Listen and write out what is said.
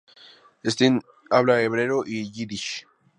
Stein habla hebreo y yiddish.